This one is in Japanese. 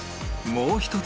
もう１つ？